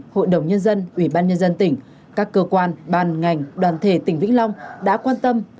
hội đồng nhân dân ủy ban nhân dân tỉnh các cơ quan ban ngành đoàn thể tỉnh vĩnh long đã quan tâm